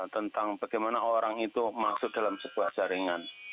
tentang bagaimana orang itu masuk dalam sebuah jaringan